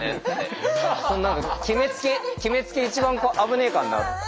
決めつけ一番危ねえからなって。